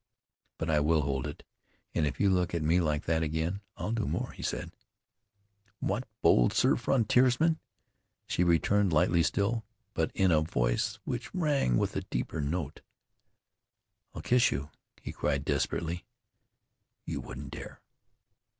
"But I will hold it, and if you look at me like that again I'll do more," he said. "What, bold sir frontiersman?" she returned, lightly still, but in a voice which rang with a deeper note. "I'll kiss you," he cried desperately. "You wouldn't dare."